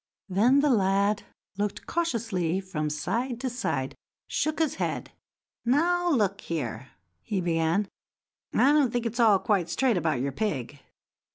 Then the lad looked cautiously about from side to side, and shook his head. "Now, look here," he began; "I don't think it's all quite straight about your pig.